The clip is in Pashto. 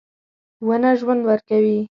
• ونه ژوند ورکوي.